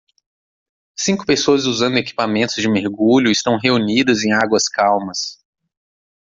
Cinco pessoas usando equipamentos de mergulho estão reunidas em águas calmas.